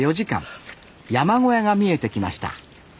山小屋が見えてきました